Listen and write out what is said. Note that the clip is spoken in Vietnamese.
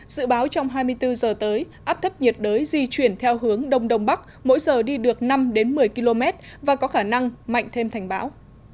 dự báo trong hai mươi bốn giờ tới áp thấp nhiệt đới di chuyển theo hướng đông đông bắc mỗi giờ đi được năm đến một mươi km và có khả năng mạnh thêm thành bão